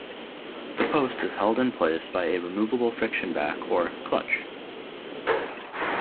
The post is held in place by a removable friction back or "clutch".